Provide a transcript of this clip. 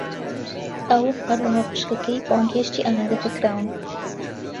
ئەو، هەروەها خوشکەکەی، بانگهێشتی ئاهەنگەکە کراون.